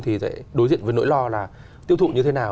thì sẽ đối diện với nỗi lo là tiêu thụ như thế nào